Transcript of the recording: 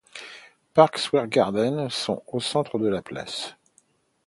Park Square Gardens sont au centre de la place.